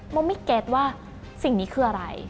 โมไม่เก็ตว่าสิ่งนี้คืออะไร